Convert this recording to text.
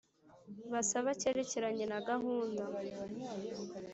Basaba cyerekeranye na gahunda